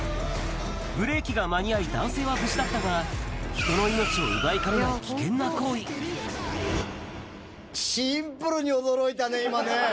ブレーキが間に合い、男性は無事だったが、人の命を奪いかねないシンプルに驚いたね、今ね。